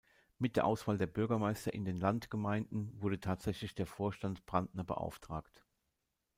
Mit der Auswahl der Bürgermeister in den Landgemeinden wurde tatsächlich der Vorstand Brandner beauftragt.